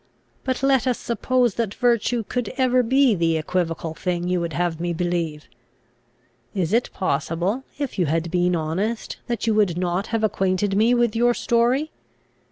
But let us suppose that virtue could ever be the equivocal thing you would have me believe. Is it possible, if you had been honest, that you would not have acquainted me with your story?